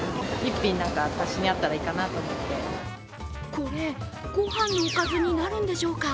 これ、ごはんのおかずになるんでしょうか。